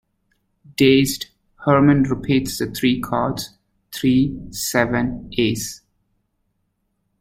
Dazed, Herman repeats the three cards - three, seven, ace.